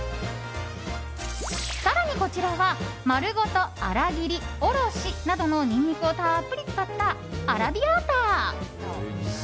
更にこちらは、丸ごと、粗切りおろしなどのニンニクをたっぷり使った、アラビアータ。